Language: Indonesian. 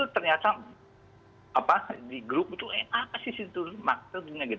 ternyata di grup itu apa sih itu maksudnya